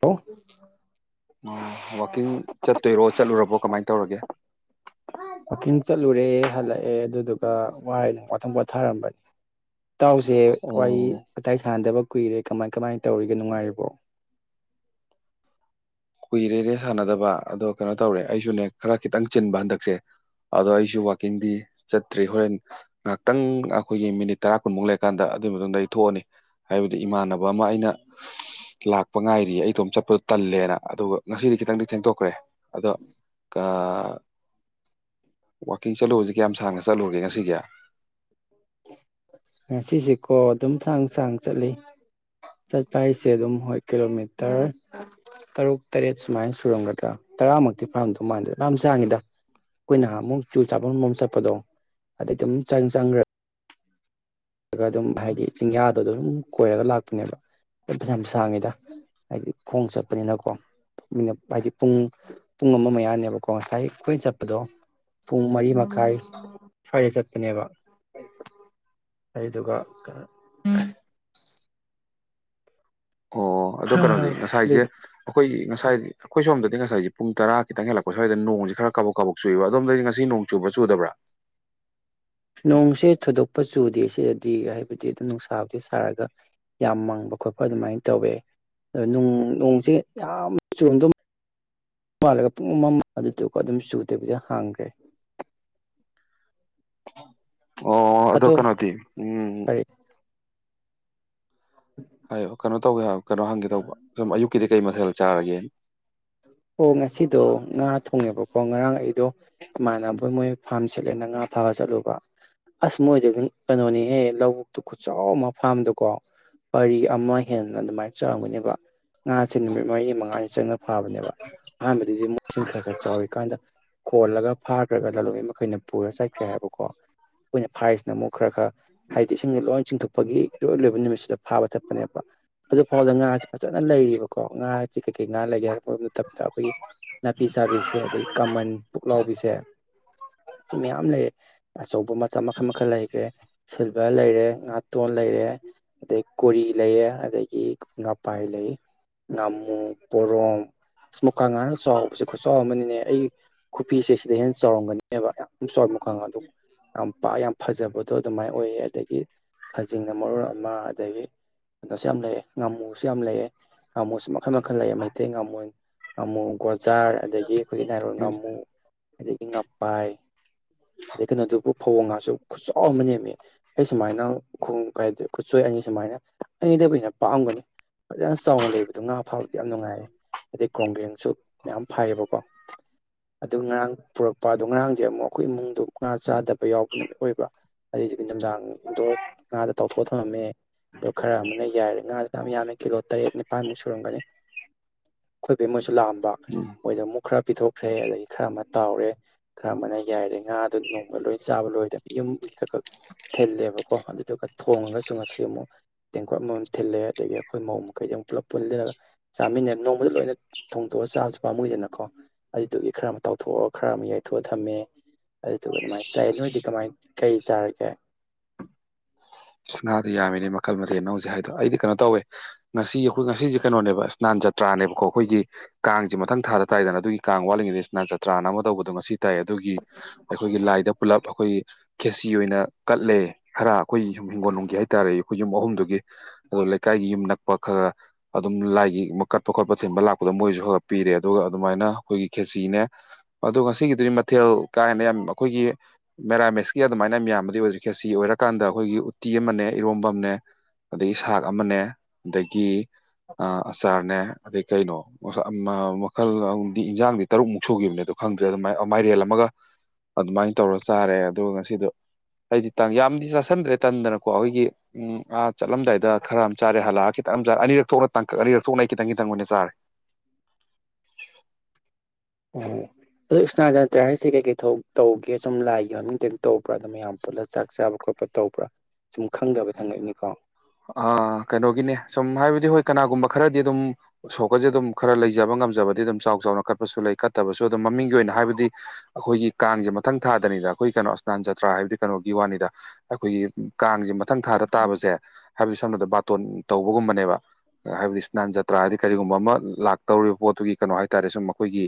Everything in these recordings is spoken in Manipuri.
ꯍꯂꯣ ꯑꯣ ꯋꯥꯋꯥꯛꯀꯤꯡ ꯆꯠꯇꯣꯏꯔꯣ ꯆꯠꯂꯨꯔꯕꯣ ꯀꯃꯥꯏꯅ ꯇꯧꯔꯒꯦ ꯋꯥꯀꯤꯡ ꯆꯠꯂꯨꯔꯦ ꯍꯜꯂꯛꯑꯦ ꯑꯗꯨꯗꯨꯒ ꯋꯥꯅ ꯋꯥꯊꯪ ꯄꯣꯊꯥꯔꯝꯕꯅꯦ ꯏꯇꯥꯎꯁꯦ ꯋꯥꯔꯤ ꯑꯣ ꯋꯥꯇꯥꯏ ꯁꯥꯟꯅꯗꯕ ꯀꯨꯏꯔꯦ ꯀꯃꯥꯏ ꯀꯃꯥꯏꯅ ꯇꯧꯔꯤꯒꯦ ꯅꯨꯡꯉꯥꯏꯔꯤꯕꯣ ꯀꯨꯏꯔꯦ ꯔꯦ ꯁꯥꯟꯅꯗꯕ ꯑꯗꯣ ꯀꯩꯅꯣ ꯇꯧꯔꯦ ꯑꯩꯁꯨꯅꯦ ꯈꯔ ꯈꯤꯇꯪ ꯆꯤꯟꯕ ꯍꯟꯗꯛꯁꯦ ꯑꯗꯣ ꯑꯩꯁꯨ ꯋꯥꯛꯀꯤꯡꯗꯤ ꯆꯠꯇ꯭ꯔꯤ ꯍꯣꯔꯦꯟ ꯉꯥꯏꯍꯥꯛꯇꯪ ꯑꯩꯈꯣꯏꯒꯤ ꯃꯤꯅꯤꯠ ꯇꯔꯥ ꯀꯨꯟꯃꯨꯛ ꯂꯩꯔꯀꯥꯟꯗ ꯑꯗꯨꯒꯤ ꯃꯇꯨꯡꯗ ꯑꯩ ꯊꯣꯛꯑꯅꯤ ꯍꯥꯏꯕꯗꯤ ꯏꯃꯥꯟꯅꯕ ꯑꯃ ꯑꯩꯅ ꯂꯥꯛꯄ ꯉꯥꯏꯔꯤꯌꯦ ꯑꯩꯇꯣꯝ ꯆꯠꯄꯗꯣ ꯇꯜꯂꯦꯅ ꯑꯗꯨꯒ ꯉꯁꯤꯗꯤ ꯈꯤꯇꯪꯗꯤ ꯊꯦꯡꯗꯣꯛꯈ꯭ꯔꯦ ꯑꯗꯣ ꯋꯥꯋꯀꯤꯡ ꯆꯠꯂꯨꯔꯁꯤꯦ ꯀꯌꯥꯝ ꯁꯥꯡꯅ ꯆꯠꯂꯨꯔꯒꯦ ꯉꯁꯤꯒꯤ ꯉ ꯁꯤꯁꯤꯀꯣ ꯑꯗꯨꯝ ꯊꯥꯡ ꯁꯥꯡ ꯆꯠꯂꯤ ꯆꯠꯄ ꯍꯥꯏꯁꯦ ꯑꯗꯨꯝ ꯍꯣꯏ ꯀꯤꯂꯣꯃꯤꯇꯔ ꯇꯔꯨꯛ ꯇꯔꯦꯠ ꯁꯨꯃꯥꯏꯅ ꯁꯨꯔꯝꯒꯗ꯭ꯔꯥ ꯇꯔꯥꯃꯨꯛꯇꯤ ꯐꯥꯝꯗꯧ ꯃꯥꯟꯁꯦ ꯌꯥꯝ ꯆꯥꯡꯉꯗ ꯑꯩꯈꯣꯏꯅ ꯑꯃꯨꯛ ꯆꯨ ꯆꯥꯐꯝ ꯑꯃ ꯆꯠꯄꯗꯣ ꯑꯗꯩ ꯑꯗꯨꯝ ꯆꯪ ꯆꯪꯈ꯭ꯔ ꯑꯗꯨꯒ ꯑꯗꯨꯝ ꯍꯥꯏꯗꯤ ꯆꯤꯡꯌꯥꯗꯣ ꯑꯗꯨꯝ ꯀꯣꯏꯔꯒ ꯂꯥꯛꯄꯅꯦꯕ ꯑꯗꯨ ꯐꯩꯁꯥ ꯌꯥꯝ ꯁꯥꯡꯉꯤꯗ ꯍꯥꯏꯗꯤ ꯈꯣꯡ ꯆꯠꯄꯅꯤꯅꯀꯣ ꯃꯤꯅꯠ ꯍꯥꯏꯗꯤ ꯄꯨꯡ ꯄꯨꯡ ꯑꯃ ꯃꯌꯥꯅꯦꯕꯀꯣ ꯉꯁꯥꯏ ꯑꯩꯈꯣꯏꯅ ꯆꯠꯄꯗꯣ ꯄꯨꯡ ꯃꯔꯤ ꯃꯈꯥꯏ ꯁ꯭ꯋꯥꯏꯗ ꯆꯠꯄꯅꯦꯕ ꯍ ꯑꯩꯗꯨꯒ ꯑꯣ ꯑꯗꯣ ꯀꯩꯅꯣꯗꯤ ꯑꯗꯨ ꯉꯁꯥꯏꯁꯦ ꯑꯩꯈꯣꯏꯒꯤ ꯉꯁꯥꯏꯗꯤ ꯑꯩꯈꯣꯏ ꯁꯣꯝꯗꯗꯤꯁꯥꯏꯁ ꯄꯨꯡꯔꯥ ꯈꯤꯇꯪ ꯍꯦꯜꯂꯛꯄ ꯁ꯭ꯋꯥꯏꯗ ꯅꯣꯡꯁꯤ ꯈꯔ ꯀꯕꯛ ꯀꯥꯛ ꯆꯨꯏꯕ ꯑꯣꯝꯗꯒꯤ ꯉꯁꯤ ꯅꯣꯡ ꯆꯨꯕ ꯆꯨꯗ꯭ꯔꯥ ꯅꯣꯡꯁꯦ ꯊꯣꯏꯗꯣꯛꯄ ꯆꯨꯗꯦ ꯁꯤꯗꯗꯤ ꯍꯥꯏꯕꯗꯤ ꯑꯗꯨꯝ ꯅꯨꯡꯁꯥꯕꯨꯗꯤ ꯁꯥꯔꯒ ꯌꯥꯝ ꯃꯥꯡꯕ ꯈꯣꯠꯄ ꯑꯗꯨꯃꯥꯏꯅ ꯇꯧꯋꯦ ꯑ ꯅꯣꯡꯁꯦ ꯌꯥꯝ ꯆꯨꯔꯣꯟꯗ ꯃꯥꯥꯜꯂꯦꯕ ꯄꯨꯡ ꯑꯃ ꯑꯗꯨꯗꯨꯒ ꯑꯗꯨꯝ ꯆꯨꯗꯕꯤꯗ ꯑꯗꯨꯝ ꯍꯥꯡꯒ꯭ꯔꯦ ꯑꯣ ꯑꯗꯣ ꯀꯩꯅꯗꯤ ꯎꯝ [inaudible] [inaudible] ꯍꯥꯏꯌꯣ ꯀꯩꯅꯣ ꯇꯧꯒꯦ ꯍꯥꯏ ꯀꯩꯅꯣ ꯍꯪꯒꯦ ꯇꯧꯕ ꯁꯨꯝ ꯑꯌꯨꯛꯀꯤꯗꯤ ꯀꯩ ꯃꯊꯦꯜ ꯆꯥꯔꯒꯦ ꯑꯣ ꯉꯁꯤꯗꯣ ꯉꯥ ꯊꯣꯡꯉꯦꯕꯀꯣ ꯉꯔꯥꯡ ꯑꯩꯗꯣ ꯏꯃꯥꯅꯕ ꯑꯣꯢ ꯃꯣꯏ ꯐꯥꯝ ꯁꯤꯠꯂꯦꯅ ꯉꯥ ꯐꯥꯕ ꯆꯠꯂꯨꯕ ꯑꯁ ꯃꯣꯏꯗꯣ ꯀꯩꯅꯣꯅꯤꯍꯦ ꯂꯧꯕꯨꯛꯇꯨ ꯈꯨꯠꯆꯥꯎ ꯑꯃ ꯐꯥꯝꯗꯨꯀꯣ ꯄꯔꯤ ꯑꯃ ꯍꯦꯟꯅ ꯑꯗꯨꯃꯥꯏꯅ ꯆꯪꯒꯅꯦꯕ ꯉꯥꯁꯦ ꯅꯨꯃꯤꯠ ꯃꯔꯤꯅꯤ ꯃꯉꯥꯅꯤ ꯆꯪꯅ ꯐꯕꯅꯦꯕ ꯑꯍꯥꯟꯕꯗꯗꯤ ꯃꯣꯏ ꯃꯁꯤꯡ ꯈꯔ ꯈꯔ ꯆꯥꯎꯋꯤ ꯀꯥꯟꯗ ꯈꯣꯜꯂꯒ ꯐꯥꯈ꯭ꯔꯒ ꯂꯂꯣꯟꯕꯤ ꯃꯈꯩꯅ ꯄꯨꯔ ꯆꯠꯈ꯭ꯔꯦ ꯍꯥꯏꯕꯀꯣ ꯑꯩꯈꯣꯏꯅ ꯐꯥꯔꯤꯁꯤ ꯑꯃꯨꯛ ꯈꯔ ꯈꯔ ꯍꯥꯏꯗꯤ ꯏꯁꯤꯡꯁꯦ ꯂꯣꯏ ꯆꯤꯡꯊꯣꯛꯄꯒꯤ ꯏꯔꯣꯏ ꯂꯣꯏꯕ ꯅꯨꯃꯤꯠꯁꯤꯗ ꯐꯥꯕ ꯆꯠꯄꯅꯦꯕ ꯑꯗꯨ ꯐꯥꯎꯗ ꯉꯥꯥꯁꯦ ꯐꯖꯅ ꯂꯩꯔꯤꯕꯀꯣ ꯉꯥꯁꯤ ꯀꯩꯀꯩ ꯉꯥ ꯂꯩꯒꯦ ꯑꯩꯈꯣꯏꯒꯤ ꯅꯥꯄꯤ ꯁꯥꯕꯤꯁꯦ ꯑꯗꯒꯤ ꯀꯃꯟ ꯄꯨꯛꯂꯥꯎꯕꯤꯁꯦ ꯃꯌꯥꯝ ꯂꯩ ꯑꯆꯧꯕ ꯃꯇꯝ ꯃꯈꯜ ꯃꯈꯜ ꯂꯩꯈ꯭ꯔꯦ ꯁꯤꯜ ꯕꯔ ꯂꯩꯔꯦ ꯉꯥꯇꯣꯟ ꯂꯩꯔꯦ ꯑꯗꯩ ꯀꯣꯔꯤ ꯂꯩꯌꯦ ꯑꯗꯒꯤ ꯉꯄꯥꯏ ꯂꯩ ꯉꯥꯃꯨ ꯄꯣꯔꯣꯝ ꯏꯁ ꯃꯨꯀꯥ ꯉꯥꯅ ꯆꯥꯎꯕꯁꯦ ꯈꯨꯆꯥꯎ ꯑꯃꯅꯤꯅꯦ ꯑꯩ ꯈꯨꯕꯤꯁꯦ ꯁꯤꯗꯩ ꯍꯦꯟꯅ ꯆꯥꯎꯔꯝꯒꯅꯦꯕ ꯌꯥꯝ ꯆꯥꯎꯏ ꯃꯨꯀꯥ ꯉꯥꯗꯣ ꯌꯥꯝ ꯄꯥꯛ ꯌꯥꯝ ꯐꯖꯕꯗꯣ ꯑꯗꯨꯃꯥꯏꯅ ꯑꯣꯏꯌꯦ ꯑꯗꯒꯤ ꯈꯖꯤꯡꯅ ꯃꯔꯣꯟ ꯑꯃ ꯑꯗꯒꯤ ꯀꯩꯅꯣꯁꯨ ꯌꯥꯝ ꯂꯩꯑꯦ ꯉꯥꯃꯨꯁꯨ ꯌꯥꯝ ꯂꯩꯑꯦ ꯉꯥꯃꯨꯁꯨ ꯃꯈꯜ ꯃꯈꯜ ꯂꯩꯑ ꯃꯩꯇꯩ ꯉꯥꯃꯨ ꯉꯥꯃꯨ ꯒꯣꯖꯥꯔ ꯑꯗꯒꯤ ꯑꯩꯈꯣꯏꯒꯤ ꯅꯥꯏꯔꯣꯟ ꯎꯝ ꯉꯥꯃꯨ ꯑꯗꯒꯤ ꯉꯥꯄꯥꯏ ꯑꯗꯩ ꯀꯩꯅꯣꯗꯨꯕꯨ ꯐꯧꯕꯣ ꯉꯥꯁꯨ ꯈꯨꯠꯆꯥꯎ ꯑꯃ ꯅꯦꯝꯃꯦ ꯑꯩ ꯁꯨꯃꯥꯏꯅ ꯈꯣꯡ ꯈꯨꯠꯁꯣꯏ ꯑꯅꯤ ꯁꯨꯃꯥꯏꯅ ꯑꯅꯤꯗꯩꯕꯨ ꯍꯦꯟꯅ ꯄꯥꯛꯑꯝꯒꯅꯤ ꯐꯖꯅ ꯆꯥꯎꯅ ꯂꯩꯕꯗꯣ ꯉꯥ ꯐꯥꯕꯗꯤ ꯌꯥꯝ ꯅꯨꯡꯉꯥꯏꯔꯦ ꯑꯗꯩ ꯀ꯭ꯔꯣꯡꯒꯦꯡꯁꯨ ꯃꯌꯥꯝ ꯐꯩꯌꯦꯕꯀꯣ ꯑꯗꯨ ꯉꯔꯥꯡ ꯄꯨꯔꯛꯄ ꯑꯗꯣ ꯉꯔꯥꯡꯗꯤ ꯑꯃꯨꯛ ꯑꯩꯈꯣꯏ ꯏꯃꯨꯡꯗꯣ ꯉꯥ ꯆꯥꯗꯕ ꯌꯥꯎꯕ ꯅꯨꯃꯤꯠ ꯑꯣꯏꯕ ꯑꯗꯨꯢꯗꯨꯒꯤ ꯅꯨꯡꯗꯥꯡꯗꯣ ꯉꯥꯗꯨ ꯇꯥꯎ ꯊꯣꯊꯔꯝꯃꯦ ꯑꯗꯣ ꯈꯔ ꯑꯃꯅ ꯌꯥꯏꯔꯦ ꯉꯥꯗꯨꯅ ꯌꯥꯝ ꯌꯥꯝꯃꯦ ꯀꯤꯂꯣ ꯇꯔꯦꯠ ꯅꯤꯄꯥꯥꯟꯃꯨꯛ ꯁꯨꯔꯝꯒꯅꯤ ꯑꯩꯈꯣꯏꯕꯩ ꯃꯣꯏꯁꯨ ꯂꯥꯛꯑꯝꯕ ꯎꯝ ꯃꯣꯏꯗ ꯑꯃꯨꯛ ꯈꯔ ꯄꯤꯊꯣꯛꯈ꯭ꯔꯦ ꯑꯗꯒꯤ ꯈꯔ ꯑꯃ ꯇꯥꯎꯔꯦ ꯈꯔ ꯑꯃꯅ ꯌꯥꯏꯔꯦ ꯉꯥꯗ ꯅꯣꯡꯃ ꯂꯣꯏ ꯆꯥꯕ ꯂꯣꯏꯗꯕ ꯌꯨꯝꯒꯤ ꯈꯛ ꯈꯛ ꯊꯤꯜꯂꯦꯕꯀꯣ ꯑꯗꯨꯗꯨꯒ ꯊꯣꯡꯉꯒꯁꯨ ꯉꯁꯤ ꯑꯃꯨꯛ ꯇꯦꯡꯀꯣꯠ ꯑꯃꯃꯝ ꯊꯤꯜꯂꯦ ꯑꯗꯒꯤ ꯑꯩꯈꯣꯏ ꯃꯧ ꯃꯈꯩꯗꯨ ꯄꯨꯂꯞ ꯄꯨꯜꯂꯒ ꯆꯥꯃꯤꯟꯅꯕ ꯅꯣꯡꯃꯗ ꯂꯣꯏꯅ ꯊꯣꯡꯗꯣꯛꯑ ꯆꯥꯕꯁꯨ ꯄꯥꯝꯃꯨꯗꯅꯀꯣ ꯑꯗꯨꯗꯨꯒꯤ ꯈꯔ ꯑꯃ ꯇꯥꯎꯊꯣꯛꯑ ꯈꯔ ꯑꯃ ꯌꯥꯏꯊꯣꯛꯑ ꯊꯝꯃꯦ ꯑꯗꯨꯗꯨꯒ ꯑꯗꯨꯃꯥꯏꯅ ꯆꯥꯏ ꯅꯣꯏꯗꯤ ꯀꯃꯥꯏꯅ ꯀꯩ ꯆꯥꯔꯒꯦ ꯉꯥꯗꯤ ꯌꯥꯝꯃꯤꯅꯦ ꯃꯈꯜ ꯃꯊꯦꯜ ꯅꯡ ꯍꯧꯖꯤꯛ ꯍꯥꯏꯗꯣ ꯑꯩꯗꯤ ꯀꯩꯅꯣ ꯇꯧꯋꯦ ꯉꯁꯤ ꯑꯩꯈꯣꯏ ꯉꯁꯤꯁꯦ ꯀꯩꯅꯣꯅꯦꯕ ꯏꯁꯅꯥꯟ ꯖꯇ꯭ꯔꯥꯅꯦꯕꯀꯣ ꯑꯈꯣꯏꯒꯤ ꯀꯥꯡꯁꯤ ꯃꯊꯪ ꯊꯥꯗ ꯇꯥꯏꯗꯅ ꯑꯗꯨꯒꯤ ꯀꯥꯡ ꯋꯥꯠꯂꯤꯉꯩꯗꯁꯅ ꯖꯇ꯭ꯔꯥꯅ ꯑꯃ ꯇꯧꯕꯗꯣ ꯉꯁꯤ ꯇꯥꯏ ꯑꯗꯨꯒꯤ ꯑꯩꯈꯣꯏꯒꯤ ꯂꯥꯏꯗ ꯄꯨꯂꯞ ꯑꯩꯈꯣꯏ ꯈꯦꯁꯤ ꯑꯣꯏꯅ ꯀꯠꯂꯦ ꯈꯔ ꯑꯩꯈꯣꯏ ꯌꯨꯝ ꯍꯤꯡꯒꯣꯜ ꯅꯨꯡꯒꯤ ꯍꯥꯏꯇꯥꯔꯦ ꯑꯩꯈꯣꯏ ꯌꯨꯝ ꯑꯍꯨꯝꯗꯨꯒꯤ ꯑꯗꯣ ꯂꯩꯀꯥꯏꯒꯤ ꯌꯨꯝ ꯅꯛꯄ ꯈꯔ ꯑꯗꯨꯝ ꯂꯥꯏꯒꯤ ꯀꯠꯄ ꯈꯣꯠꯄ ꯊꯤꯟꯕ ꯂꯥꯛꯄꯗ ꯃꯣꯏꯁꯨ ꯈꯔ ꯄꯤꯔꯦ ꯑꯗꯨꯒ ꯑꯗꯨꯃꯥꯏꯅ ꯑꯩꯈꯣꯏꯒꯤ ꯈꯦꯆꯤꯅꯦ ꯑꯗꯣ ꯉꯁꯤꯒꯤꯗꯨꯗꯤ ꯃꯊꯦꯜ ꯀꯥ ꯍꯦꯅ ꯌꯥꯝ ꯑꯩꯈꯣꯏꯒꯤ ꯃꯦꯔꯥꯃꯦꯁꯀꯤ ꯑꯗꯨꯃꯥꯏꯅ ꯃꯌꯥꯝ ꯌꯥꯝꯕꯗꯤ ꯑꯣꯏꯗ꯭ꯔꯦ ꯈꯦꯆꯤ ꯑꯣꯏꯔꯀꯥꯟꯗ ꯑꯩꯈꯣꯏꯒꯤ ꯎ ꯎꯇꯤ ꯑꯃꯅꯦ ꯏꯔꯣꯝꯕ ꯑꯃꯅꯦ ꯑꯗꯒꯤ ꯁꯥꯛ ꯑꯃꯅꯦ ꯑꯗꯒꯤ ꯑ ꯑꯆꯥꯥꯔꯅꯦ ꯑꯗꯩ ꯀꯩꯅꯣ ꯃꯈꯜꯗꯤ ꯏꯟꯖꯥꯡꯗꯤ ꯇꯔꯨꯛꯃꯨꯛ ꯁꯨꯈꯤꯕꯅꯦ ꯑꯗꯣ ꯈꯪꯗ꯭ꯔꯦ ꯑꯗꯨꯏ ꯃꯥꯏꯔꯦꯜ ꯑꯃꯒ ꯑꯗꯨꯃꯥꯏꯅ ꯇꯧꯔ ꯆꯥꯔꯦ ꯑꯗꯨꯒ ꯉꯁꯤꯗꯣ ꯑꯩꯗꯤ ꯇꯥꯡ ꯌꯥꯝꯗꯤ ꯆꯥꯥꯁꯟꯗ꯭ꯔꯦ ꯇꯟꯗꯅꯀꯣ ꯑꯩꯈꯣꯏꯒꯤ ꯎꯝ ꯑꯥ ꯆꯠꯂꯝꯗꯥꯏꯗ ꯈꯔ ꯑꯃ ꯆꯥꯔꯦ ꯍꯜꯂꯛꯑꯒ ꯈꯤꯇꯪ ꯑꯅꯤꯔꯛ ꯊꯣꯛꯅ ꯇꯥꯡꯀꯛ ꯑꯅꯤꯔꯛ ꯊꯣꯛꯅ ꯈꯤꯇꯪ ꯈꯤꯇꯪ ꯑꯣꯏꯅ ꯆꯥꯔꯦ ꯑꯣ ꯑꯗꯣ ꯏꯁꯅꯥꯗ ꯅꯠꯇ꯭ꯔꯦ ꯍꯥꯏꯔꯤꯁꯦ ꯀꯩꯀꯩ ꯊ ꯇꯧꯒꯦ ꯁꯨꯝ ꯂꯥꯏꯒ ꯃꯃꯤꯡꯇ ꯇꯧꯕ꯭ꯔꯥ ꯑꯗꯨꯝ ꯃꯌꯥꯝ ꯄꯨꯂ ꯆꯥꯛ ꯆꯥꯕ ꯈꯣꯠꯄ ꯇꯧꯕ꯭ꯔꯥ ꯁꯨꯝ ꯈꯪꯗꯕꯗ ꯍꯪꯉꯛꯅꯤꯀꯣ ꯑ ꯀꯩꯅꯣꯒꯤꯅꯦ ꯁꯨꯝ ꯍꯥꯏꯕꯗꯤ ꯍꯣꯏ ꯀꯅꯥꯒꯨꯝꯕ ꯈꯔꯗꯤ ꯑꯗꯨꯝ ꯁꯣꯛꯀꯁꯦ ꯑꯗꯨꯝ ꯈꯔ ꯂꯩꯖꯕ ꯉꯝꯖꯕꯗꯤ ꯑꯗꯨꯝ ꯆꯥꯎ ꯆꯥꯎꯅ ꯀꯠꯄꯁꯨ ꯂꯩ ꯀꯠꯇꯕꯁꯨ ꯑꯗꯨꯝ ꯃꯃꯤꯡꯒꯤ ꯑꯣꯏꯅ ꯍꯥꯏꯕꯗꯤ ꯑꯩꯈꯣꯏꯒꯤ ꯀꯥꯡꯁꯦ ꯃꯊꯪ ꯊꯥꯗꯅꯤꯗ ꯑꯩꯈꯣꯏ ꯀꯩꯅꯣ ꯁ꯭ꯅꯥꯟ ꯖꯇ꯭ꯔꯥ ꯍꯥꯏꯕꯗꯤ ꯀꯩꯅꯣꯒꯤ ꯋꯥꯅꯤꯗ ꯑꯩꯈꯣꯏꯒꯤ ꯀꯥꯡꯁꯦ ꯃꯊꯪ ꯊꯥꯗ ꯇꯥꯕꯁꯦ ꯍꯥꯏꯕꯗꯤ ꯁꯝꯅꯗ ꯕꯥꯇꯣꯟ ꯇꯧꯕꯒꯨꯝꯕꯅꯦꯕ ꯍꯥꯏꯕꯗꯤ ꯏꯁꯅꯥꯟ ꯖꯇ꯭ꯔꯥ ꯍꯥꯏꯩ ꯀꯔꯤꯒꯨꯝꯕ ꯑꯃ ꯂꯥꯛꯇꯧꯔꯤꯕ ꯄꯣꯠꯇꯨꯒꯤ ꯀꯩꯅꯣ ꯍꯥꯏꯇꯥꯔꯦ ꯁꯨꯝ ꯑꯩꯈꯣꯏꯒꯤ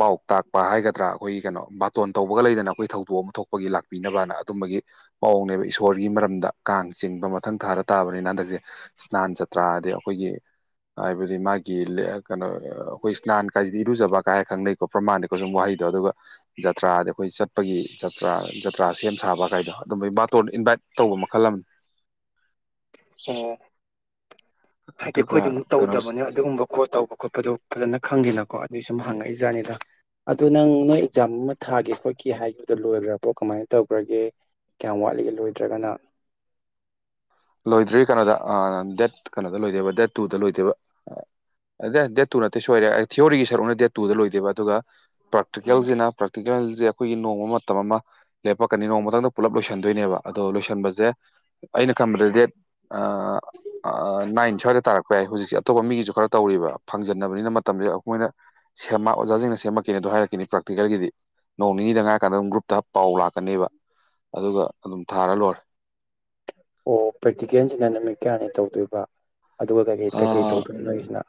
ꯄꯥꯎ ꯇꯥꯛꯄ ꯍꯥꯏꯒꯗ꯭ꯔꯥ ꯑꯩꯈꯣꯏꯒꯤ ꯀꯩꯅꯣ ꯕꯥꯇꯣꯟ ꯇꯧꯕꯒ ꯂꯩꯗꯅ ꯑꯩꯈꯣꯏ ꯊꯧꯗꯣꯛ ꯑꯃ ꯊꯣꯛꯄ ꯑꯩꯈꯣꯏꯒꯤ ꯂꯥꯛꯄꯤꯅꯕꯅ ꯑꯗꯨꯝꯕꯒꯤ ꯃꯑꯣꯡꯅꯦꯕ ꯏꯁꯣꯔꯒꯤ ꯃꯔꯝꯗ ꯀꯥꯡ ꯆꯤꯡꯕ ꯃꯊꯪ ꯊꯥꯗ ꯇꯥꯕꯅꯤꯅ ꯍꯟꯗꯛꯁꯦ ꯏꯁ꯭ꯅꯥꯟ ꯆꯇ꯭ꯔꯥ ꯍꯥꯏꯗꯤ ꯑꯩꯈꯣꯏꯒꯤ ꯍꯥꯏꯕꯗꯤ ꯃꯥꯒꯤ ꯀꯩꯅꯣ ꯑꯩꯈꯣꯏ ꯏꯁ꯭ꯅꯥꯟ ꯀꯥꯏꯁꯤꯗꯤ ꯏꯔꯨꯖꯕ ꯀꯥꯏ ꯈꯪꯅꯩ ꯣ ꯄ꯭ꯔꯃꯥꯅꯤꯀꯣ ꯁꯨꯝ ꯋꯥꯍꯩꯗꯣ ꯑꯗꯨꯒ ꯖꯇ꯭ꯔꯥꯗꯤ ꯑꯩꯈꯣꯏ ꯆꯠꯄꯒꯤ ꯖꯇ꯭ꯔꯥ ꯖꯇ꯭ꯔꯥ ꯁꯦꯝ ꯁꯥꯕ ꯀꯥꯏꯗꯣ ꯑꯗꯨꯝꯕꯩ ꯕꯥꯇꯣꯟꯗ ꯏꯟꯚꯥꯏꯠ ꯇꯧꯕ ꯃꯈꯜ ꯑꯃꯅꯤ ꯑꯣ ꯍꯥꯏꯗꯤ ꯑꯗꯨꯒ ꯑꯩꯈꯣꯏꯗꯤ ꯑꯃꯨꯛ ꯀꯩꯅꯣ ꯇꯧꯗꯕꯅꯦ ꯑꯗꯨꯒꯨꯝꯕ ꯈꯣꯠ ꯇꯧꯕ ꯈꯣꯠꯄꯗꯣ ꯐꯖꯅ ꯈꯪꯗꯦꯅꯀꯣ ꯑꯗꯨꯏ ꯁꯨꯝ ꯍꯪꯉꯛꯏ ꯖꯥꯠꯅꯤꯗ ꯑꯗꯨ ꯅꯪ ꯅꯣꯏ ꯑꯦꯛꯖꯥꯝ ꯑꯃ ꯊꯥꯒꯦ ꯈꯣꯠꯀꯦ ꯍꯥꯏꯕꯗꯣ ꯂꯣꯏꯈ꯭ꯔꯕꯣ ꯀꯃꯥꯏ ꯇꯧꯈ꯭ꯔꯒꯦ ꯀꯌꯥꯝ ꯋꯥꯠꯂꯤꯒꯦ ꯂꯣꯏꯗ꯭ꯔꯒꯅ ꯂꯣꯏꯗ꯭ꯔꯤ ꯀꯩꯅꯣꯗ ꯗꯦꯠ ꯀꯩꯅꯣꯗ ꯂꯣꯏꯗꯣꯏꯕ ꯗꯦꯠ ꯇꯨꯗ ꯂꯣꯏꯗꯣꯏꯕ ꯑꯗ ꯗꯦꯠ ꯇꯨ ꯅꯠꯇꯦ ꯁꯣꯏꯔꯦ ꯑꯩ ꯊꯤꯑꯣꯔꯤꯒꯤ ꯁꯔꯨꯛꯅ ꯗꯦꯠ ꯇꯨꯗ ꯂꯣꯏꯗꯣꯏꯕ ꯑꯗꯨꯒ ꯄ꯭ꯔꯥꯛꯇꯤꯀꯦꯜꯁꯤꯅ ꯄ꯭ꯔꯥꯛꯇꯤꯀꯦꯜꯒꯤꯁꯦ ꯑꯩꯈꯣꯏꯒꯤ ꯅꯣꯡꯃ ꯃꯇꯝ ꯑꯃ ꯂꯦꯞꯄꯛꯀꯅꯤ ꯅꯣꯡꯃꯇꯪꯗ ꯄꯨꯂꯞ ꯂꯣꯏꯁꯤꯟꯗꯣꯏꯅꯦꯕ ꯑꯗꯣ ꯂꯣꯏꯁꯤꯟꯕꯁꯦ ꯑꯩꯅ ꯈꯟꯕꯗ ꯗꯦꯠ ꯅꯥꯏꯟ ꯁ꯭ꯋꯥꯏꯗ ꯇꯥꯔꯛꯄ ꯌꯥꯏ ꯍꯧꯖꯤꯛꯁꯦ ꯑꯇꯣꯞꯄ ꯃꯤꯒꯤꯁꯨ ꯈꯔ ꯇꯧꯔꯤꯕ ꯐꯪꯖꯟꯅꯕꯅꯤꯅ ꯃꯇꯝꯁꯦ ꯑꯈꯣꯏꯅ ꯁꯦꯝꯃ ꯑꯣꯖꯥꯁꯤꯡꯅ ꯁꯦꯝꯃꯛꯈꯤꯅꯤꯗꯣ ꯍꯥꯏꯔꯛꯅꯤ ꯄ꯭ꯔꯥꯛꯇꯤꯀꯦꯜꯒꯤꯗꯤ ꯅꯣꯡ ꯅꯤꯅꯤꯗꯪ ꯉꯥꯏꯔꯀꯥꯟꯗ ꯑꯗꯨꯝ ꯒ꯭ꯔꯨꯞꯇ ꯄꯥꯎ ꯂꯥꯛꯀꯅꯦꯕ ꯑꯗꯨꯒ ꯑꯗꯨꯝ ꯊꯥꯔ ꯂꯣꯏꯔꯦ ꯑꯣ ꯄ꯭ꯔꯦꯛꯇꯤꯀꯦꯟꯁꯤꯅ ꯅꯨꯃꯤꯠ ꯀꯌꯥꯅꯤ ꯇꯧꯗꯣꯏꯕ ꯑꯗꯨꯒ ꯀꯩꯀꯩ ꯀꯩꯀꯩ ꯇꯧꯗꯣꯏꯅꯣ ꯅꯣꯏꯒꯤꯁꯤꯅ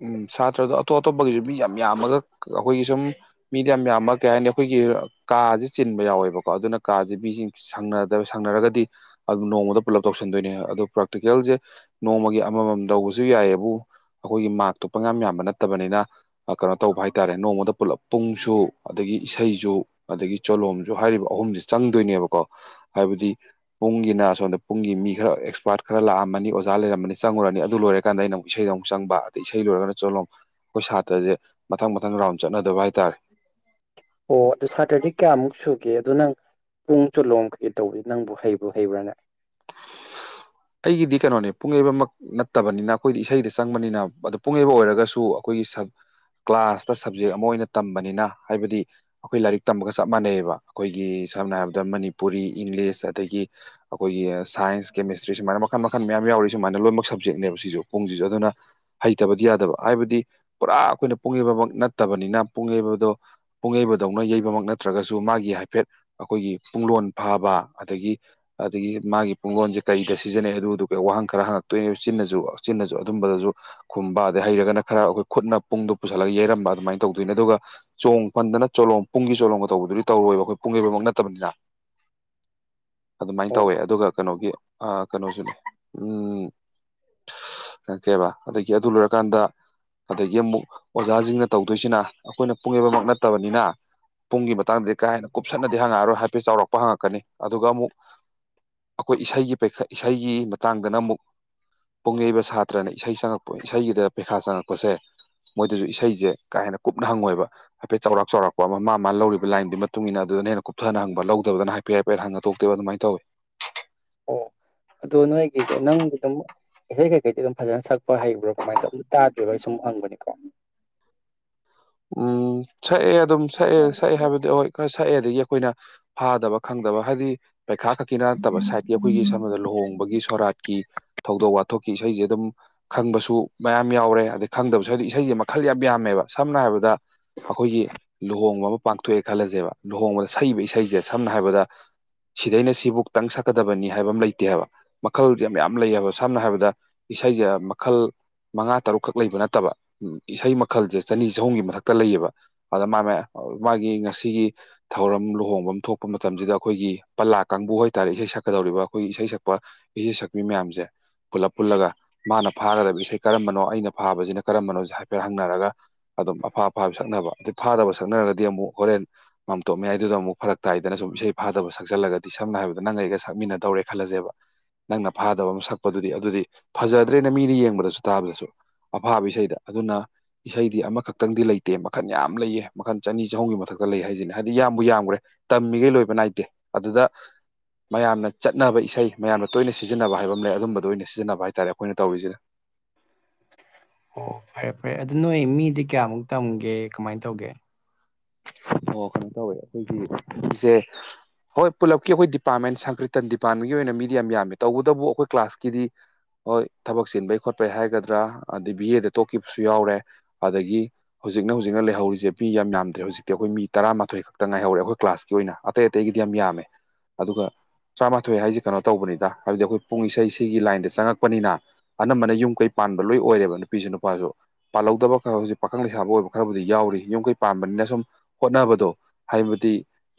ꯎꯝ ꯁꯥꯇ꯭ꯔꯗꯣ ꯑꯇꯣꯞ ꯑꯇꯣꯞꯄꯒꯤꯁꯨ ꯃꯤ ꯌꯥꯝ ꯌꯥꯝꯃꯒ ꯑꯩꯈꯣꯏꯒꯤ ꯁꯨꯝ ꯃꯤꯗꯤ ꯌꯥꯝ ꯌꯥꯝꯃ ꯀꯩ ꯍꯥꯏꯅꯤ ꯑꯩꯈꯣꯏꯒꯤ ꯀꯥꯁꯦ ꯆꯤꯟꯕ ꯌꯥꯎꯋꯦꯕꯀꯣ ꯑꯗꯨꯅ ꯀꯥꯁꯦ ꯃꯤꯁꯤꯡ ꯁꯪꯅꯗꯔ ꯁꯪꯅꯔꯒꯗꯤ ꯑꯗꯨ ꯅꯣꯡꯃꯗ ꯄꯨꯂꯞ ꯇꯧꯁꯟꯗꯣꯏꯅꯦ ꯑꯗꯨ ꯄ꯭ꯔꯥꯛꯇꯤꯀꯦꯜꯁꯦ ꯅꯣꯡꯃꯒꯤ ꯑꯃꯃꯝ ꯇꯧꯕꯁꯨ ꯌꯥꯏꯑꯕꯨ ꯑꯩꯈꯣꯏꯒꯤ ꯃꯥꯛꯇꯣ ꯄꯪꯌꯥꯝ ꯌꯥꯝꯕ ꯅꯠꯇꯕꯅꯤꯅ ꯀꯩꯅꯣ ꯇꯧꯕ ꯍꯥꯏꯇꯥꯔꯦ ꯅꯣꯡꯃꯗ ꯄꯨꯂꯞ ꯄꯨꯡꯁꯨ ꯑꯗꯒꯤ ꯏꯁꯩꯁꯨ ꯑꯗꯒꯤ ꯆꯣꯂꯣꯝꯁꯨ ꯍꯩꯔꯤꯕ ꯑꯍꯨꯝꯁꯤ ꯆꯪꯗꯣꯏꯅꯦꯕꯀꯣ ꯍꯥꯏꯕꯗꯤ ꯄꯨꯡꯒꯤꯅ ꯑꯁꯣꯝꯗ ꯄꯨꯡꯒꯤ ꯃꯤ ꯈꯔ ꯑꯦꯛꯁꯄꯥꯔꯠ ꯈꯔ ꯂꯥꯛꯑꯃꯅꯤ ꯑꯣꯖꯥ ꯂꯩꯔꯝꯃꯅꯤ ꯆꯪꯉꯨꯔꯅꯤ ꯑꯗꯨ ꯂꯣꯏꯔꯀꯥꯟꯗ ꯑꯩꯅ ꯑꯃꯨꯛ ꯏꯁꯩꯗꯣ ꯑꯃꯨꯛ ꯆꯪꯕ ꯑꯗꯩ ꯏꯁꯩ ꯂꯣꯏꯔꯒꯅ ꯆꯣꯂꯣꯝ ꯑꯩꯈꯣꯏ ꯁꯥꯇ꯭ꯔꯁꯦ ꯃꯊꯪ ꯃꯊꯪ ꯔꯥꯎꯟ ꯆꯠꯅꯣꯏꯗꯕ ꯍꯥꯏꯇꯥꯔꯦ ꯑꯣ ꯑꯗꯨ ꯁꯥꯇꯔꯗꯤ ꯀꯌꯥꯃꯨꯛ ꯁꯨꯒꯦ ꯑꯗꯨ ꯅꯪ ꯄꯨꯡ ꯆꯣꯂꯣꯝ ꯀꯩꯀꯩ ꯇꯧꯕꯩ ꯅꯪꯕꯨ ꯍꯩꯕꯨ ꯍꯩꯕ꯭ꯔꯥꯅꯦ ꯑꯩꯒꯤꯗꯤ ꯀꯩꯅꯣꯅꯦ ꯄꯨꯡ ꯌꯩꯕꯃꯛ ꯅꯠꯇꯕꯅꯤꯅ ꯑꯩꯈꯣꯏꯗꯤ ꯏꯁꯩꯗ ꯆꯪꯕꯅꯤꯅ ꯑꯗꯣ ꯄꯨꯡꯌꯩꯕ ꯑꯣꯏꯔꯒꯁꯨ ꯑꯩꯈꯣꯏꯒꯤ ꯁꯛ ꯀ꯭ꯂꯥꯁꯇ ꯁꯕꯖꯦꯛ ꯑꯃ ꯑꯣꯏꯅ ꯇꯝꯕꯅꯤꯅ ꯍꯥꯏꯕꯗꯤ ꯑꯩꯈꯣꯏ ꯂꯥꯏꯔꯤꯛ ꯇꯝꯕꯒ ꯆꯞ ꯃꯥꯟꯅꯩꯕ ꯑꯩꯈꯣꯏꯒꯤ ꯁꯝꯅ ꯍꯥꯏꯔꯕꯗ ꯃꯅꯤꯄꯨꯔꯤ ꯏꯪꯂꯤꯁ ꯑꯗꯒꯤ ꯑꯈꯣꯏꯒꯤ ꯁꯥꯏꯟꯁ ꯀꯦꯃꯤꯁꯇ꯭ꯔꯤ ꯁꯨꯃꯥꯏꯅ ꯃꯈꯟ ꯃꯈꯟ ꯃꯌꯥꯝ ꯌꯥꯎꯔꯤ ꯁꯨꯃꯥꯏꯅ ꯂꯣꯏꯅꯃꯛ ꯁꯞꯖꯦꯛꯅꯦꯕ ꯁꯤꯁꯨ ꯄꯨꯡꯁꯤꯁꯨ ꯑꯗꯨꯅ ꯍꯩꯇꯕꯗꯤ ꯌꯥꯗꯕ ꯍꯥꯏꯕꯗꯤ ꯄꯨꯔꯥ ꯑꯩꯈꯣꯏꯅ ꯄꯨꯡ ꯍꯩꯕꯃꯛ ꯅꯠꯇꯕꯅꯤꯅ ꯄꯨꯡ ꯌꯩꯕꯗꯣ ꯄꯨꯡ ꯌꯩꯕꯗꯧꯅ ꯌꯩꯕꯃꯛ ꯅꯠꯇ꯭ꯔꯒꯁꯨ ꯃꯥꯒꯤ ꯍꯥꯏꯐꯦꯠ ꯑꯩꯈꯣꯏꯒꯤ ꯄꯨꯡꯂꯣꯟ ꯐꯕ ꯑꯗꯒꯤ ꯑꯗꯒꯤ ꯃꯥꯒꯤ ꯄꯨꯡꯒꯣꯟꯁꯦ ꯀꯩꯗ ꯁꯤꯖꯤꯟꯅꯩ ꯑꯗꯨ ꯑꯗꯨ ꯋꯥꯍꯪ ꯈꯔ ꯍꯪꯉꯛꯇꯣꯏꯅꯤ ꯆꯤꯟꯅꯁꯨ ꯆꯤꯟꯅꯁꯨ ꯑꯗꯨꯝꯕꯗꯁꯨ ꯈꯨꯝꯕ ꯑꯗꯩ ꯍꯩꯔꯒꯅ ꯈꯔ ꯑꯩꯈꯣꯏ ꯈꯨꯠꯅ ꯄꯨꯡꯗꯣ ꯄꯨꯁꯜꯂꯒ ꯌꯩꯔꯝꯕ ꯑꯗꯨꯃꯥꯏꯅ ꯇꯧꯗꯣꯏꯅꯦ ꯑꯗꯨꯒ ꯆꯣꯡ ꯐꯟꯗꯅ ꯆꯣꯂꯣꯝ ꯄꯨꯡꯒꯤ ꯆꯣꯂꯣꯝꯒ ꯇꯧꯕꯗꯨꯗꯤ ꯇꯧꯔꯣꯏꯕ ꯑꯩꯈꯣꯏ ꯄꯨꯡ ꯌꯩꯕꯃꯛ ꯅꯠꯇꯕꯅꯤꯅ ꯑꯗꯨꯃꯥꯏꯅ ꯑꯣ ꯇꯧꯋꯦ ꯑꯗꯨꯒ ꯀꯩꯅꯣꯒꯤ ꯀꯩꯅꯣꯁꯨꯅꯦ ꯎꯝ ꯅꯠꯇꯦꯕ ꯑꯗꯒꯤ ꯑꯗꯨ ꯂꯣꯏꯔꯀꯥꯟꯗ ꯑꯗꯒꯤ ꯑꯃꯨꯛ ꯑꯣꯖꯥꯁꯤꯡꯅ ꯇꯧꯗꯣꯏꯁꯤꯅ ꯑꯩꯈꯣꯏꯅ ꯄꯨꯡ ꯌꯩꯕꯃꯛ ꯅꯠꯇꯕꯅꯤꯅ ꯄꯨꯡꯒꯤ ꯃꯇꯥꯡꯗꯗꯤ ꯈꯔꯥ ꯍꯦꯟꯅ ꯀꯨꯞꯁꯟꯅꯗꯤ ꯍꯪꯉꯛꯑꯔꯣꯏ ꯍꯥꯏꯐꯦ ꯆꯥꯎꯔꯛꯄ ꯍꯪꯉꯛꯀꯅꯤ ꯑꯗꯨꯒ ꯑꯃꯨꯛ ꯑꯩꯈꯣꯏ ꯏꯁꯩꯒꯤ ꯄꯈ ꯏꯁꯩꯒꯤ ꯃꯇꯥꯡꯗꯅ ꯑꯃꯨꯛ ꯄꯨꯡ ꯌꯩꯕ ꯁꯥꯇ꯭ꯔꯅ ꯏꯁꯩ ꯆꯪꯉꯛꯄ ꯏꯁꯩꯒꯤꯗ ꯄꯩꯈꯥ ꯆꯪꯉꯛꯄꯁꯦ ꯃꯣꯏꯗꯁꯨ ꯏꯁꯩꯁꯦ ꯀꯥ ꯍꯦꯟꯅ ꯀꯨꯞꯅ ꯍꯪꯉꯣꯏꯕ ꯍꯥꯏꯐꯦꯠ ꯆꯥꯎꯔꯥꯛ ꯆꯥꯎꯔꯥꯛꯄ ꯑꯃ ꯃꯥ ꯃꯥꯒꯤ ꯂꯧꯔꯤꯕ ꯂꯥꯏꯟꯗꯨ ꯃꯇꯨꯡ ꯏꯟꯅ ꯑꯗꯨꯗꯅ ꯍꯦꯟꯅ ꯀꯨꯞꯊꯅ ꯍꯪꯕ ꯂꯧꯗꯕꯥꯗꯅ ꯍꯥꯏ ꯄꯔꯦꯛ ꯄꯔꯦꯛ ꯍꯪꯉꯥ ꯇꯣꯛꯇꯦꯏ ꯑꯗꯨꯥꯏꯅ ꯇꯧꯏ ꯑꯣ ꯑꯗꯣ ꯅꯣꯏꯒꯤꯁꯦ ꯅꯪ ꯑꯗꯨꯝ ꯏꯁꯩꯩ ꯀꯩꯀꯩꯗꯤ ꯑꯗꯨꯝ ꯐꯖꯅ ꯁꯛꯄ ꯍꯩꯕ꯭ꯔꯣ ꯀꯃꯥꯏꯅ ꯇꯧꯏ ꯇꯥꯗ꯭ꯔꯤꯕꯩ ꯁꯨꯝ ꯍꯪꯕꯅꯤꯀꯣ ꯎꯝ ꯁꯛꯑꯦ ꯑꯗꯨꯝ ꯁꯛꯑꯦ ꯁꯛꯑꯦ ꯍꯥꯏꯕꯗꯤ ꯍꯣꯏ ꯈꯔ ꯁꯛꯑꯦ ꯑꯗꯒꯤ ꯑꯩꯈꯣꯏꯅ ꯐꯥꯗꯕ ꯈꯪꯗꯕ ꯍꯥꯏꯕꯗꯤ ꯄꯩꯈꯥ ꯈꯛ ꯀꯤ ꯅꯠꯇꯕ ꯁꯥꯏꯠꯀꯤ ꯑꯩꯈꯣꯏꯒꯤ ꯁꯝꯅꯗ ꯂꯨꯍꯣꯡꯕꯒꯤ ꯁꯣꯔꯥꯠꯀꯤ ꯊꯧꯗꯣꯛ ꯋꯥꯊꯣꯛꯀꯤ ꯏꯁꯩꯁꯦ ꯑꯗꯨꯝ ꯈꯪꯕꯁꯨ ꯃꯌꯥꯝ ꯌꯥꯎꯔꯦ ꯑꯗꯩ ꯈꯪꯗꯕꯁꯨ ꯍꯥꯏꯗꯤ ꯏꯁꯩꯁꯦ ꯃꯈꯜ ꯌꯥꯝ ꯌꯥꯝꯃꯦꯕ ꯁꯝꯅ ꯍꯥꯏꯔꯕꯗ ꯑꯩꯈꯣꯏꯒꯤ ꯂꯨꯍꯣꯡꯕ ꯑꯃ ꯄꯥꯡꯊꯣꯛꯑꯦ ꯈꯜꯂꯁꯦꯕ ꯂꯨꯍꯣꯡꯕꯗ ꯁꯛꯏꯕ ꯏꯁꯩꯁꯦ ꯁꯝꯅ ꯍꯥꯏꯔꯕꯗ ꯁꯤꯗꯩꯅ ꯁꯤꯕꯨꯧꯛꯇꯪ ꯁꯛꯀꯗꯕꯅꯤ ꯍꯥꯏꯕ ꯑꯃ ꯂꯩꯇꯦ ꯍꯥꯏꯕ ꯃꯈꯜꯁꯦ ꯃꯌꯥꯝ ꯂꯩꯌꯦꯕ ꯁꯝꯅ ꯍꯥꯏꯔꯕꯗ ꯏꯁꯩꯁꯦ ꯃꯈꯜ ꯃꯉꯥ ꯇꯔꯨꯛꯈꯛ ꯂꯩꯕ ꯅꯠꯇꯕ ꯎ ꯏꯁꯩ ꯃꯈꯜꯁꯦ ꯆꯅꯤ ꯆꯍꯨꯝ ꯃꯊꯛꯇ ꯂꯩꯌꯦꯕ ꯑꯗ ꯃꯥꯅꯦ ꯃꯥꯒꯤ ꯉꯁꯤꯒꯤ ꯊꯧꯔꯝ ꯂꯨꯍꯣꯡꯕ ꯊꯣꯛꯄ ꯃꯇꯝꯁꯤꯗ ꯑꯩꯈꯣꯏꯒꯤ ꯄꯂꯥ ꯀꯥꯡꯕꯨ ꯍꯥꯏꯇꯥꯔꯦ ꯏꯁꯩ ꯁꯛꯀꯗꯧꯔꯤꯕ ꯑꯩꯈꯣꯏꯒꯤ ꯏꯁꯩ ꯁꯛꯄ ꯏꯁꯩ ꯁꯛꯄꯤ ꯃꯌꯥꯝꯁꯦ ꯄꯨꯜꯂꯞ ꯄꯨꯜꯂꯒ ꯃꯥꯅ ꯐꯥꯒꯗꯕ ꯏꯁꯩ ꯀꯔꯝꯕꯅꯣ ꯑꯩꯅ ꯐꯥꯕꯁꯤꯅ ꯀꯔꯝꯕꯅꯣ ꯍꯥꯏꯐꯦꯠ ꯍꯪꯅꯔꯒ ꯑꯗꯨꯝ ꯑꯐꯥ ꯑꯐꯥꯕ ꯁꯛꯅꯕ ꯑꯗꯩ ꯐꯥꯗꯕ ꯁꯛꯅꯔꯒꯗꯤ ꯑꯃꯨꯛ ꯍꯣꯔꯦꯟ ꯃꯥꯝꯇꯣꯞ ꯃꯌꯥꯏꯗꯨꯗ ꯑꯃꯨꯛ ꯐꯔꯛ ꯇꯥꯏꯗꯅ ꯁꯨꯝ ꯏꯁꯩ ꯐꯥꯗꯕ ꯁꯛꯆꯜꯂꯒꯗꯤ ꯁꯝꯅ ꯍꯥꯏꯔꯕꯗ ꯅꯪ ꯑꯩꯒ ꯁꯛꯃꯤꯟꯅꯗꯧꯔꯦ ꯈꯜꯂꯁꯦꯕ ꯅꯪꯅ ꯐꯥꯗꯕ ꯑꯃ ꯁꯛꯄꯗꯨꯗꯤ ꯑꯗꯨꯗꯤ ꯐꯖꯗ꯭ꯔꯦꯅ ꯃꯤꯅ ꯌꯦꯡꯕꯗꯁꯨ ꯇꯥꯕꯗꯁꯨ ꯑꯐꯥꯕ ꯏꯁꯩꯗ ꯑꯗꯨꯅ ꯏꯁꯩꯗꯤ ꯑꯃꯈ ꯈꯤꯇꯪꯗꯤ ꯂꯩꯇꯦ ꯃꯈꯟ ꯌꯥꯝ ꯂꯩꯌꯦ ꯃꯈꯟ ꯆꯅꯤ ꯆꯍꯨꯝꯒꯤ ꯃꯊꯛꯇ ꯂꯩ ꯍꯥꯏꯁꯤꯅꯦ ꯍꯥꯏꯗꯤ ꯌꯥꯝꯕꯨ ꯌꯥꯝꯈ꯭ꯔꯦ ꯇꯝꯃꯤꯈꯩ ꯂꯣꯏꯕ ꯅꯥꯏꯗꯦ ꯑꯗꯨꯗ ꯃꯌꯥꯝꯅ ꯆꯠꯅꯕ ꯏꯁꯩ ꯃꯌꯥꯝꯅ ꯇꯣꯏꯅ ꯁꯤꯖꯤꯟꯅꯕ ꯍꯥꯏꯕ ꯑꯃ ꯂꯩ ꯑꯗꯨꯝꯕꯗ ꯑꯣꯏꯅ ꯁꯤꯖꯤꯟꯅꯕ ꯍꯥꯏꯇꯥꯥꯔꯦ ꯑꯩꯈꯣꯏꯅ ꯇꯧꯔꯤꯁꯤꯗ ꯑꯣ ꯐꯔꯦ ꯐꯔꯦ ꯑꯗꯨ ꯅꯣꯏ ꯃꯤꯗꯤ ꯀꯌꯥꯃꯨꯛ ꯇꯝꯒꯦ ꯀꯃꯥꯏꯅ ꯇꯧꯒꯦ ꯑꯣ ꯀꯩꯅꯣ ꯇꯧꯋꯦ ꯑꯩꯈꯣꯏꯒꯤꯁꯦ ꯍꯣꯏ ꯄꯨꯜꯂꯞꯀꯤ ꯑꯩꯈꯣꯏ ꯗꯤꯄꯥꯔꯠꯃꯦꯟ ꯁꯪꯀ꯭ꯔꯤꯇꯟ ꯗꯤꯄꯥꯔꯠꯃꯦꯟꯒꯤ ꯑꯣꯏꯅ ꯃꯤꯗꯤ ꯌꯥꯝꯃꯤ ꯇꯧꯕꯇꯕꯨ ꯑꯩꯈꯣꯏ ꯀ꯭ꯂꯥꯁꯀꯤꯗꯤ ꯍꯣꯏ ꯊꯕꯛ ꯆꯤꯟꯕꯩ ꯈꯣꯠꯄꯩ ꯍꯥꯏꯒꯗ꯭ꯔꯥ ꯑꯗꯗꯒꯤ ꯕꯤ ꯑꯦꯗ ꯇꯣꯛꯈꯤꯕꯁꯨ ꯌꯥꯎꯔꯦ ꯑꯗꯒꯤ ꯍꯧꯖꯤꯛꯅ ꯍꯧꯖꯤꯛꯅ ꯂꯩꯍꯧꯔꯤꯁꯦ ꯄꯤ ꯌꯥꯝ ꯌꯥꯝꯗ꯭ꯔꯦ ꯍꯧꯖꯤꯛ ꯑꯩꯈꯣꯏ ꯃꯤ ꯇꯔꯥꯃꯥꯊꯣꯏ ꯈꯛꯇ ꯉꯥꯏꯍꯧꯔꯦ ꯑꯩꯈꯣꯏ ꯀ꯭ꯂꯥꯁꯀꯤ ꯑꯣꯏꯅ ꯑꯇꯩ ꯑꯇꯩꯒꯤꯗꯤ ꯌꯥꯝ ꯌꯥꯝꯃꯦ ꯑꯗꯨꯒ ꯇꯔꯥꯃꯥꯊꯣꯏ ꯍꯥꯏꯁꯤꯦ ꯀꯩꯅꯣ ꯇꯧꯕꯅꯤꯗ ꯍꯥꯏꯕꯗꯤ ꯑꯩꯈꯣꯏ ꯄꯨꯡ ꯏꯁꯩ ꯁꯤꯒꯤ ꯂꯥꯏꯟꯗ ꯆꯪꯉꯛꯄꯅꯤꯅ ꯑꯅꯝꯕꯅ ꯌꯨꯝ ꯀꯩ ꯄꯥꯟꯕ ꯂꯣꯏ ꯑꯣꯏꯔꯦꯕ ꯅꯨꯄꯤꯁꯨ ꯅꯨꯄꯥꯁꯨ ꯄꯥꯜꯍꯧꯗꯕ ꯈꯔ ꯍꯧꯖꯤꯛ ꯄꯥꯈꯪ ꯂꯩꯁꯥꯕ ꯑꯣꯏꯕ ꯈꯔꯕꯨꯗꯤ ꯌꯥꯎꯔꯤ ꯌꯨꯝꯈꯩ ꯄꯥꯟꯕꯥꯅꯤꯅ ꯁꯨꯝ ꯍꯣꯠꯅꯕꯗꯣ ꯍꯥꯏꯕꯗꯤ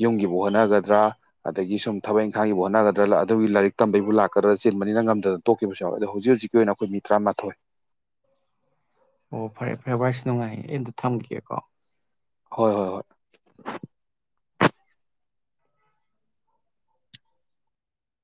ꯌꯨꯝꯒꯤꯕꯨ ꯍꯣꯠꯅꯒꯗ꯭ꯔꯥ ꯑꯗꯒꯤ ꯁꯨꯝ ꯊꯕꯛ ꯏꯪꯈꯥꯡꯒꯤꯕꯨ ꯍꯣꯠꯅꯒꯗ꯭ꯔꯥ ꯑꯗꯨꯒꯤ ꯂꯥꯏꯔꯤꯛ ꯇꯝꯕꯩꯕꯨ ꯂꯥꯛꯀꯗ꯭ꯔꯥ ꯆꯤꯟꯕꯅꯤꯅ ꯉꯝꯗꯅ ꯇꯣꯛꯈꯤꯕꯁꯨ ꯌꯥꯎꯋ ꯑꯗꯣ ꯍꯧꯖꯤ ꯍꯧꯖꯤꯛꯀꯤ ꯑꯣꯏꯅ ꯑꯩꯈꯣꯏ ꯃꯤ ꯇꯔꯥꯃꯥꯊꯣꯏ ꯑꯣ ꯐꯔꯦ ꯐꯔꯦ ꯚꯥꯏꯁꯨ ꯅꯨꯡꯉꯥꯏꯌꯦ ꯑꯩ ꯑꯝꯇ ꯊꯝꯒꯦꯀꯣ ꯍꯣꯏ ꯍꯣꯏ ꯍꯣꯏ